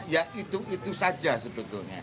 ya itu itu saja sebetulnya